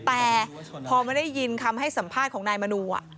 แม่พอไม่ได้ยินคำให้สัมภาษณ์ของแผงน้ายมณูอ่ะ